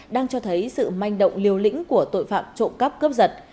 đang cho thấy sự manh động liều lĩnh của tội phạm trộm cắp cướp giật